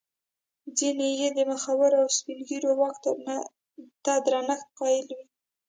ځیني یې د مخورو او سپین ږیرو واک ته درنښت قایل وي.